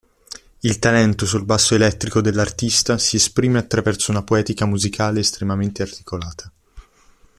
Il talento sul basso elettrico dell'artista si esprime attraverso una poetica musicale estremamente articolata.